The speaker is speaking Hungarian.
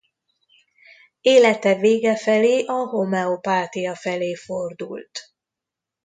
Élete vége felé a homeopátia felé fordult.